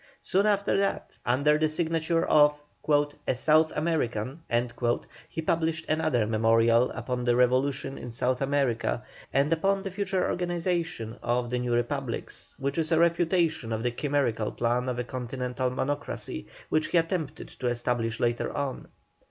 Soon after that, under the signature of "A South American," he published another memorial upon the Revolution in South America, and upon the future organization of the new republics, which is a refutation of the chimerical plan of a Continental monocracy which he attempted to establish later on.